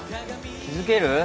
気付ける？